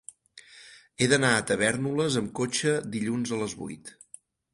He d'anar a Tavèrnoles amb cotxe dilluns a les vuit.